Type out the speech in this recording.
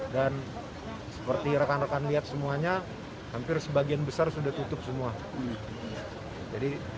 dan seperti rekan rekan lihat semuanya hampir sebagian besar sudah tutup semua